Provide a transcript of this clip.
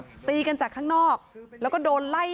ช่องบ้านต้องช่วยแจ้งเจ้าหน้าที่เพราะว่าโดนฟันแผลเวิกวะค่ะ